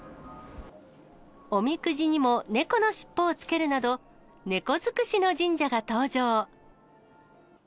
おみくじにも猫の尻尾をつけるなど、猫づくしの神社が登場。